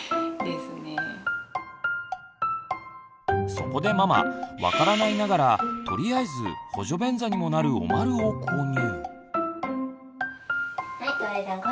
そこでママ分からないながらとりあえず補助便座にもなるおまるを購入。